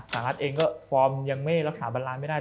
รัฐเองก็ฟอร์มยังไม่รักษาบันลานไม่ได้